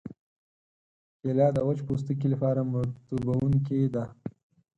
کېله د وچ پوستکي لپاره مرطوبوونکې ده.